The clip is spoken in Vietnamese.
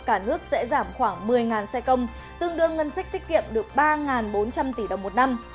cả nước sẽ giảm khoảng một mươi xe công tương đương ngân sách tiết kiệm được ba bốn trăm linh tỷ đồng một năm